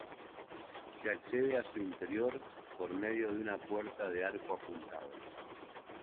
Se accede a su interior por medio de una puerta de arco apuntado.